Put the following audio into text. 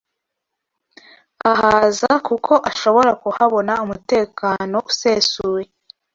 Ahaza kuko ashobora kuhabona umutekano usesuye